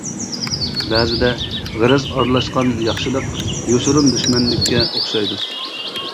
بەزىدە غەرەز ئارىلاشقان ياخشىلىق، يوشۇرۇن دۈشمەنلىككە ئوخشايدۇ.